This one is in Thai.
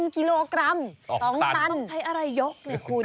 ๑กิโลกรัม๒ตันต้องใช้อะไรยกเนี่ยคุณ